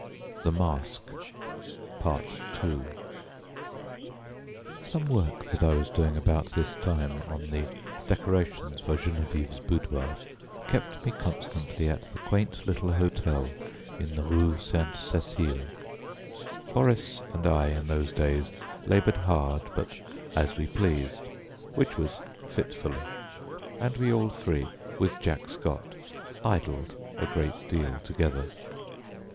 II Some work that I was doing about this time on the decorations for Geneviève's boudoir kept me constantly at the quaint little hotel in the Rue Sainte Cécile. Boris and I in those days laboured hard but as we pleased, which was fitfully, and we all three, with Jack Scott, idled a great deal together.